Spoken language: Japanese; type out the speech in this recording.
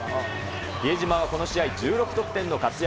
比江島はこの試合１６得点の活躍。